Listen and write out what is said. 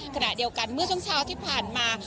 ขณะเดียวกันเมื่อช่วงเช้าที่ผ่านมา